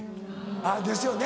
あぁですよね。